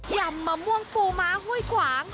ำมะม่วงปูม้าห้วยขวาง